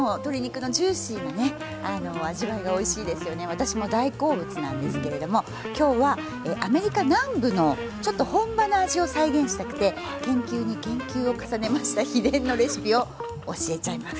私も大好物なんですけれども今日はアメリカ南部のちょっと本場の味を再現したくて研究に研究を重ねました秘伝のレシピを教えちゃいます。